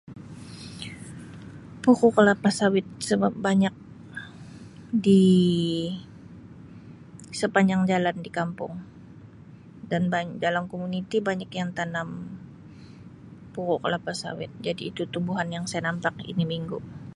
Pokok kelapa sawit sebab banyak di sepanjang jalan di kampung dan dalam komuniti banyak yang tanam pokok kelapa sawit jadi itu tumbuhan yang saya nampak ini minggu.